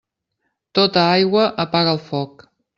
Tota aigua apaga el foc.